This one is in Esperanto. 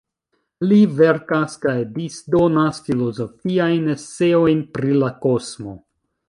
Li verkas kaj disdonas filozofiajn eseojn pri la kosmo.